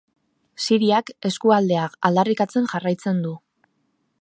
Siriak, eskualdea aldarrikatzen jarraitzen du.